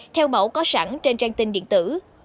theo mẫu có sẵn trên trang tin điện tử